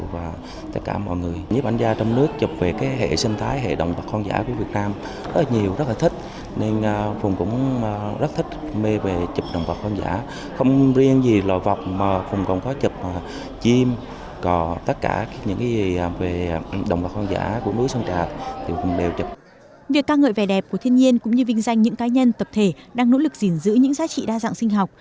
việc ca ngợi vẻ đẹp của thiên nhiên cũng như vinh danh những cá nhân tập thể đang nỗ lực giữ giữ những giá trị đa dạng sinh học